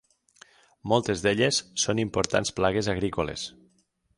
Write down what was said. Moltes d'elles són importants plagues agrícoles.